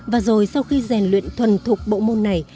và rồi sau khi rèn luyện thuần thuộc bộ môn này